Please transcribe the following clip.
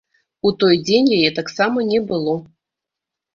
У той дзень яе таксама не было.